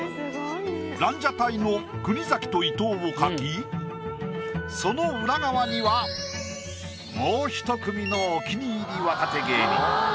ランジャタイの国崎と伊藤を描きその裏側にはもうひと組のお気に入り若手芸人。